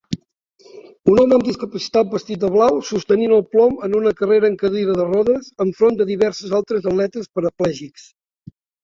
Un home amb discapacitat vestit de blau sostenint el plom en una carrera en cadira de rodes enfront de diversos altres atletes Paraplègics